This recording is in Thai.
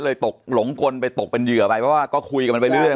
ตกหลงกลไปตกเป็นเหยื่อไปเพราะว่าก็คุยกันมันไปเรื่อย